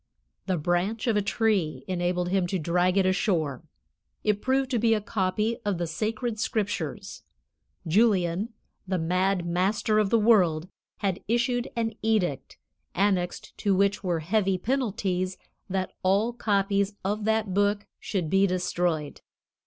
The branch of a tree enabled him to drag it ashore; it proved to be a copy of the sacred Scriptures; Julian, the mad master of the world, had issued an edict, annexed to which were heavy penalties, that all copies of that book should be destroyed.